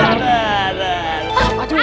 aduh aduh aduh